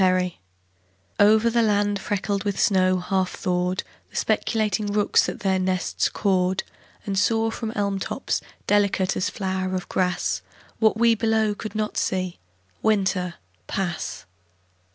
THAW OVER the land freckled with snow half thawed The speculating rooks at their nests cawed And saw from elm tops, delicate as flower of grass, What we below could not see, Winter pass.